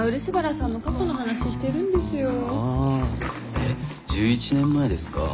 えっ１１年前ですか？